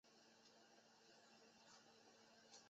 瑞秋宣称他最喜欢的电影是大片危险关系。